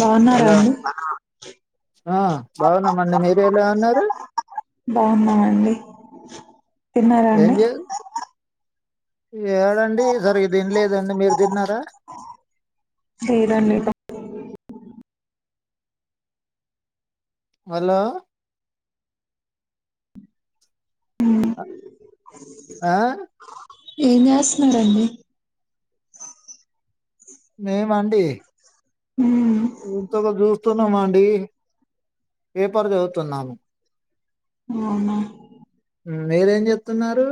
బాగున్నారా హలో అండి ఆ బాగున్నామండి మీరు ఎలా ఉన్నారు? బాగున్నామండి [unintelligible] తిన్నారా ఏం అండి చే ఏడండి ఈసారి తిన్లేదండి మీరు తిన్నారా లేదండి మల్లా అ ఆహ్ ఏం చేస్తన్నారండి మేమండీ మ్మ్ ఇంతోక జూస్తున్నామండ్ డీ పేపర్ చదువుతున్నాము అవునా హ్మ్ మీరేం జేత్తున్నారు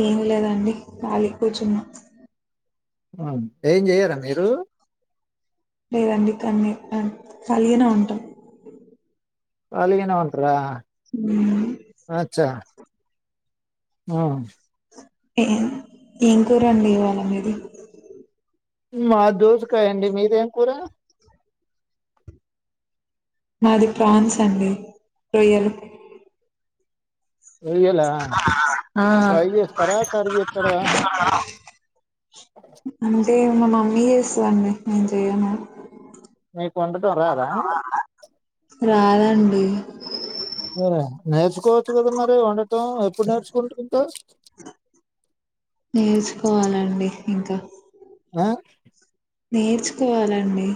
ఏమి లేదండి కాలీగ్ కూర్చున్నా హామ్ ఏం చెయ్యారా మీరు లేదండి కన్ని అన్ ఖాళీగానే ఉంటాం కాలిగనే ఉంటారా ఉహ్ ఆహ్ ఏం ఏం కూరండి ఇవాళ మీది మాద్ దోసకాయండి మీదేం కూర మాది ప్రాన్స్ అండి రొయ్యలు రోయ్యలా ఆ ప్రై జేస్తరా కర్రీ జేత్తారా ఎమో మా మమ్మి చేస్తాదండి నేను చేయను మీకు వండటం రాదా రాదండి అరే నేర్చుకోవచ్చు కదా మరి వండటం ఎప్పుడు నేర్చుకుంటు ఉంటావ్ నేర్చుకోవాలండి ఇంకా ఆహ్ నేర్చుకోవాలండీ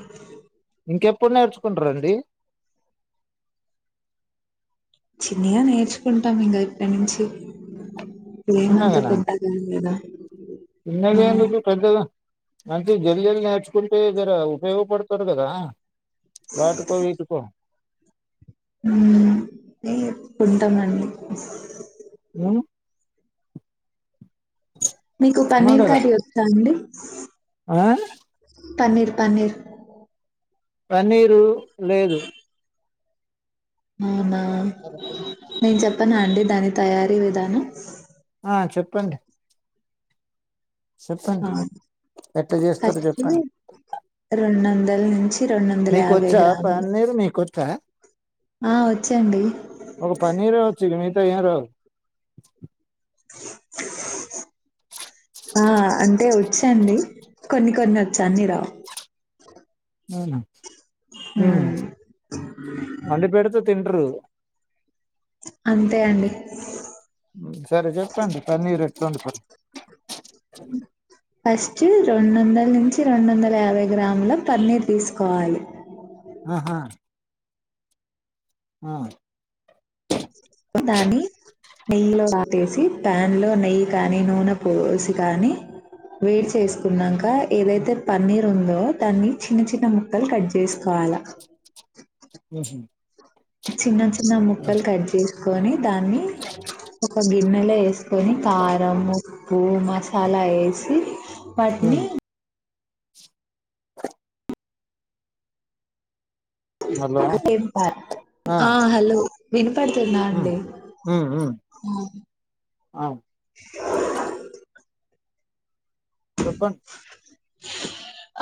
ఇంకెప్పుడు నేర్చుకుంటారండి చిన్నగా నేర్చుకుంటాం ఇంకా ఇప్పటినుంచి ప్రేమ్ అంతా చిన్నగానా పెద్దగా లేదా చిన్నగా ఎందుకు పెద్దగా అంటే జల్ జల్ నేర్చుకుంటే జర ఉపయోగపడతారు కదా వాటుకో వీటుకో ఉహ్ ఉంటామండి ఉహ్ మీకు పన్నీర్ కర్రీ వస్తా అండి అ ఆహ్ పన్నీర్ పన్నీర్ పన్నీరు లేదు అవున ప్పనా అండి దాని తయారీ విధానం ఆ చెప్పండి ఆ చెప్పండి ఎట్లా చేస్తారు ఫస్టు చెప్పండి రెండు వంద మ్మ్ మీకొచ్చా పన్నీరు నీకొచ్చా ఆ వచ్చండి టె ఏం రావు ఆ అంటే వచ్చండి కొన్ని కొన్ని వచ్చు అన్ని రావు అవున మ్మ్ హ్మ్ అన్ని పెడితే తింటరు అంతే అండి మ్మ్ సరే చెప్పండి పన్నీర్ ఎట్ ప్పండి ప ఫస్ట్ రెండు వందల నుంచి రెండు వందల యాభై గ్రాముల పన్నీర్ తీసుకోవాలి ఆహా ఆ దాన్ని నెయ్యి లో ఆటేసి ప్యాన్ లో నెయ్యి కాని నూనె పోసి కాని వేడి చేసుకున్నాంక క ఉమ్ యిలైతే పన్నీర్ ఉందో దాన్ని చిన్న చిన్న ముక్కలు కట్ చేసుకోవాల హ్మ్ హు చిన్న చి న్న ముక్కలు కట్ చెస్ కొని దాన్ని ఒక గిన్నె నూన్ లో ఎస్ కొని కారము ఉప్పు మసాలా వేసి వాట్నీ ఉమ్ హలో ఆ హలో విను పడుతుందా ఉమ్ అండి ఉమ్ ఉమ్ ఆ చెప్పం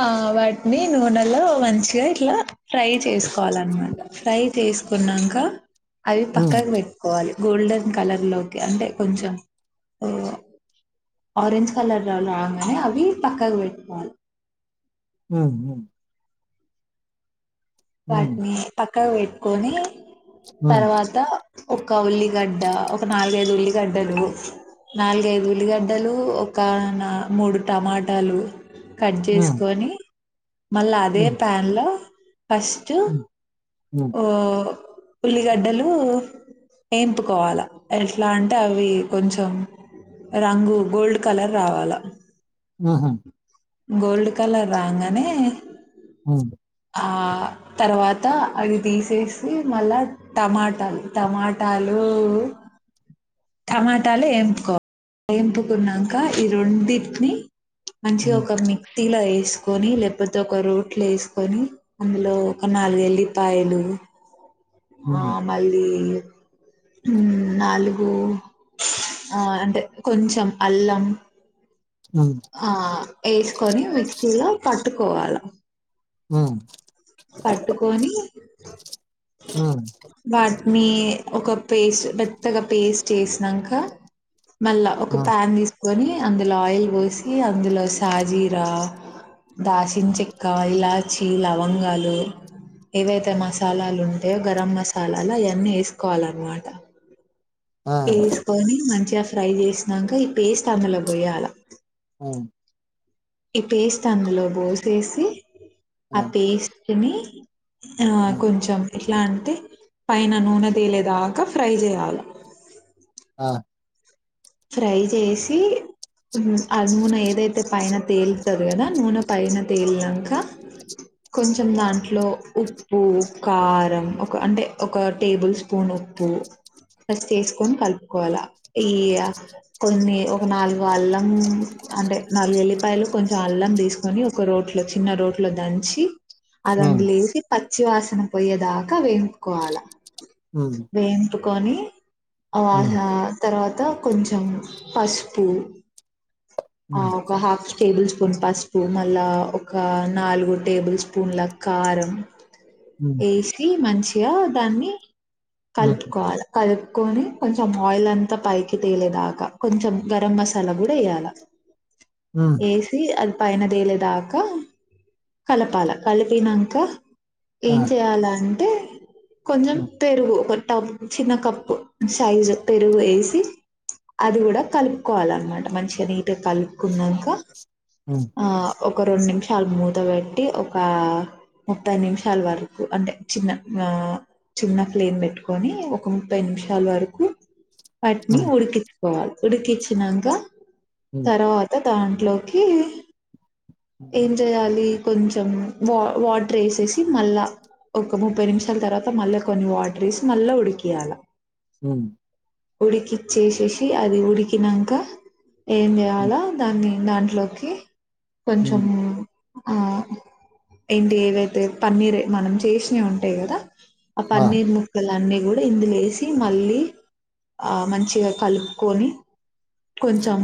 ఆ వాటిని నూనెలో మంచిగా ఇట్లా ఫ్రై చేసుకోవాలన్నమాట ఫ్రై చేసుకున్నాక అది ఉమ్ పక్కకు పెట్టుకోవాలి గోల్డెన్ కలర్ లోకి అంటే కొంచెం ఆరెంజ్ కలర్ లో రాంగానే అవి పక్కకు పెట్టుకోవాలి మ్మ్ హు వాట్ని పక్ క్కకు పెట్టుకొని ఉమ్ తర్వాత ఒక ఉల్లిగడ్డ ఒక నాలుగైదు ఉల్లిగడ్డలు నాలుగైదు ఉల్లిగడ్డలు ఒక నా మూడు టమాటాలు కట్ చేసుకొని మళ్ళా అదే ఉమ్ ప్యాన్ లో ఫస్ట్ ఉమ్ ఉమ్ ఉమ్, ఉమ్, ఓ ఉల్లిగడ్డలు వేంపుకోవాల ఎట్లా అంటే అవి కొంచెం రంగు గోల్డ్ కలర్ రావాల హ్మ్ హు గోల్డ్ కలర్ రాంగానే మ్మ్ ఆ తర్వాత అది తీసేసి మళ్ళా టమాటాలు టమాటాలు టమాటాలు వేంపుకోవాలి వేంపుకున్నాక ఈ రొండిటిని మంచిది ఉమ్ ఒక మీ క్సీ లో వేసుకొని లేకపోతే ఒక రోట్లో వేసుకొని కొని అందులో ఒక నాలుగు ఎల్లిపాయలు ఆ మళ్ళీ హ్మ్ నాలుగు ఆ అంటే కొంచెం అల్లం ఉమ్ ఆ వేసుకొని మిక్సీలో కట్ ట్టుకోవాల హ్మ్ పట్టుకొని హ్మ్ మీ ఒక పేస్ట్ మెత్తగా పేస్ట్ చేసినంక మళ్ళా ఒక ప్యాన్ తీస్ కొని అందులో ఆయిల్ పోసి అందులో సాజీరా దాసిన చెక్క ఇలాచి లవంగాలు లు ఏవైతే మసాలాలు ఉంటాయో గరం మసాలాలు అయన్నీ వేసుకోవాలన్నమాట ఆ ఆ ఏస్కోని మంచిగ ఫ్రై చేసినంక ఈ పేస్ట్ అందులో పొయ్యాల మ్మ్ ఈ పేస్ట్ అందులో పోసేసి ఆ పేస్ట్ చమి ఆ కొంచెం ఎట్లా అంటే పైనా నూనె తేలేదాకా ఫ్రై చేయాలా ఆ ఫ్రై చేసి ఉమ్ అజముూన ఏదైతే పైన తేలుతుంది కదా నూనె పైన తేలినాక కొంచెం దాంట్లో ఉప్పు కారం ఒక అంటే ఒక టేబుల్ స్పూన్ ఉప్పు ఫస్ట్ వేసుకొని కలుపుకోవాల ఈయా కొన్ని ఒక నాలుగు అల్లం అంటే నాలుగు ఎల్లిపాయలు కొంచెం అల్లం తీసుకొని ఒక రోట్లో చిన్న రోట్లో దంచి ఉమ్ అలాంధు వేసి ప పచ్చివాసన పోయే దాకా వెంపుకోవాలా ఉమ్ వంపు కొనీ ఉమ్ ఆహా తర్వా త కొంచం పసుపు ఆ ఒక హాఫ్ టేబుల్ స్పూన్ పసుపు మళ్ళా ఒక నాలుగు టేబుల్ స్పూన్ల కారం ఉమ్ ఏసి మంచి ఇక దాన్ని ఉమ్ ఉమ్ కలుపుకోవాలా కల్ కొని కొంచెం ఆయిల్ అంతా పైకి తేలేదాకా కొంచెం గరం మసాలా కూడా వేయాలా ఉమ్ ఏసి అద పైనతేలేదాకా కలపాల కల్పినంకా ఆ ఏం చెయాలా అం టే కొంచెం పెరుగు టీమ్ చిన్న కప్పు సైజ్ పెరుగు వేసి అది కూడా కలుపుకోవాలన్నమాట మంచిగా నీ నీట్గా కలుపుకునంకా ఉమ్ ఆ ఒక రెండు నిమిషాలు మూత పెట్టి ఒక ముప్పై నిమిషాల వరకు అంటే చిన్న ఆ చిన్న ఫ్లేమ్ పెట్టుకొని ఒక ముప్పై నిమిషాల వరకు వాటిని ఉమ్ ఉడికించుకోవాలా ఉడికించినంకా ఉమ్ తర్వాత దాంట్లోకి ఏం చెయాలి కొంచెం వా వాటర్ ఏసేసి మళ్ళా ఒక ముప్పై నిమిషాల తర్వాత మళ్ళా కొన్ని వాటర్ ఏసి మళ్ళా ఉడికియాల వం ఉడికిచ్చేసేసి అది ఉడికినంక ఏం ఉమ్ ఉమ్ చేయాలా దాన్ని దాంట్లోకి ఉమ్, కొంచమ్ ఆ ఏంటి ఏవైతే పన్నీర్ మనం చేసినయి ఉంటాయి కదా! అ ఆ పన్నీర్ ముక్కలన్నీ గుడా ఇందులో ఏసి మళ్ళీ ఆ మంచిగా కలుపుకొని కొంచెం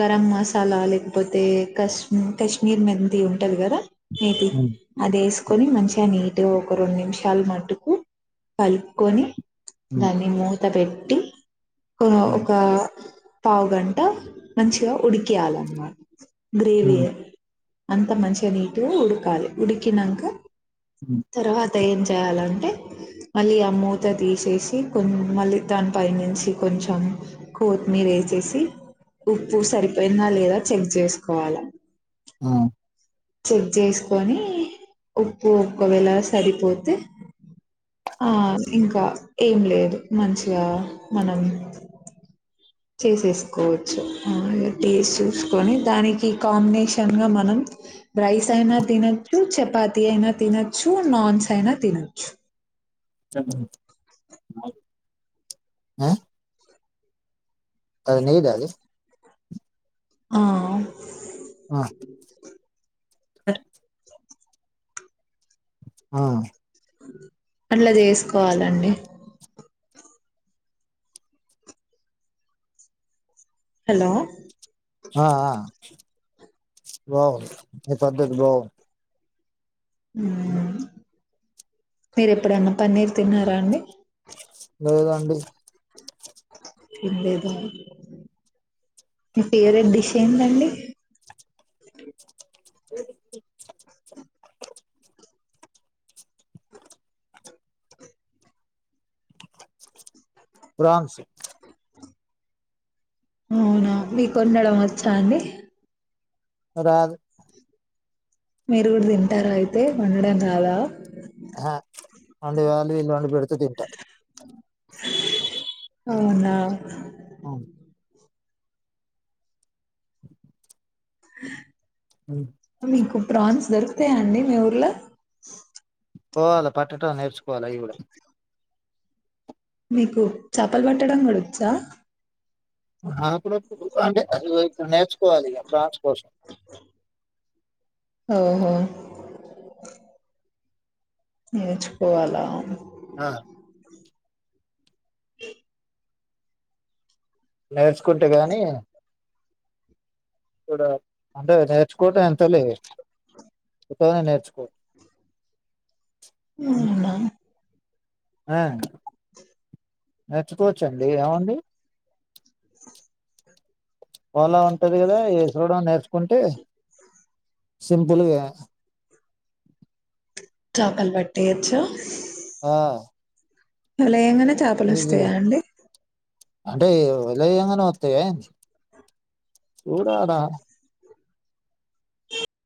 గరం మసాలా లేకపోతే కశ్మ కశ్మీర్ మెంతి ఉంటది కదా! మేతి ఉమ్ అదేసుకొని మంచిగా నీ టే ఒక రొండు నిమిషాలు మట్టుకు కలుపుకొని ఉమ్ దాని మూత బెట్ టీ కొ ఒక పావుగంట మంచిగా ఉడికియాలన్మా ఉమ్ గ్రేవియా అంత మంచిగా నీట్ గా ఉడకాలి ఉడికినంక ఉమ్ ఉమ్ తర్వా త్త ఏం చేయాలంటే మళ్ళీ ఆ మూత తీసేసి కొన్ మళ్ళీ దాని పైనుంచి కొంచెం కోతిమీరేసి తీసి ఉప్పు సరిపోయిందా లేదా చెక్ చేసుకోవాలా. ఆ చెక్ చేసుకొని ఉప్పు ఒక్కవేళ సరిపోతే ఆ ఇంకా ఏం లేదు మంచిగా మనం చేసేసుకోవచ్చు మ్మ్ టేస్ట్ చూసుకొని దానికి కాంబినేషన్ గా మనం రైస్ అయినా తినచ్చు, చపాతి అయినా తినచ్చు, నాన్స్ అయినా తినచ్చు. [inaudible] ఆ అది నీద అది ఆ ఆ ఆ ఆ అట్లా చేసుకోవాలండి హలో హా ఆ బాగు ని పద్ధతి బాగున్ మ్మ్ మీరు ఎప్పుడన్నా పన్నీర్ తిన్నారా అండి? లేదండి తిన్లేదా మీ ఫేవరెట్ డిష్ ఏందండి? [unintelligible] ప్రాన్స్ ఊనా మీకొండడం వచ్చా అండి? రాదు మీరు గూడా తింటారా అయితే వండడం రాదా. అహా ఓన్లీ వాళ్ళు వీళ్ళు వండి పెడితే తింటా. అవునా! అవున్ [inaudible] అ మీకు ప్రాన్స్ దొరుకుతాయా అండి మీ ఊర్లో పోవాల పట్టటం నేర్చుకోవాల అయి గూడా. మీకు చాపల్ పట్టడం గూడొచ్చా. నాకూడ [inaudible] అంటే ఇగో ఇపుడు నేర్చుకోవాలిగా ప్రాన్స్ కోసం. ఓహో! నేర్చుకోవాలా ఆ ఇ నేర్చ్ కుంటే గానీ ఈడా అంటే నేర్చుకోవటం ఎంత లే. ఉత్తగనే నేర్చుకోవ [inaudible] అవునా ఆ నేర్చుకోవచ్చండీ ఏముందీ. పోలం ఉంటది గదా ఏ [unintelligible] నేర్చ్ కుంటే సింపుల్గా చాపల్ బట్టేయొచ్చూ ఆ అలా ఏమైనా చాపలు వస్తయా ఈజీగా అండి అంటే ఇగ వలెయ్యంగనే వత్తయా ఏంది. చూడాలా